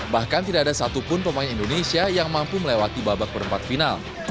bahkan tidak ada satupun pemain indonesia yang mampu melewati babak perempat final